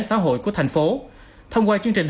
xã hội của thành phố thông qua chương trình